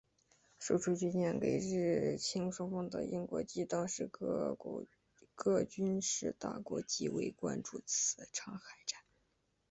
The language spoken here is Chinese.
售出军舰给日清双方的英国及当时各军事大国极为关注此场海战。